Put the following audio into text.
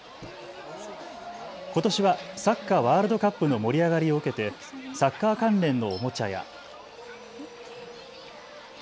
ことしはサッカーワールドカップの盛り上がりを受けてサッカー関連のおもちゃや。